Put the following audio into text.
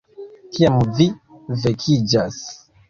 Kiam vi vekiĝas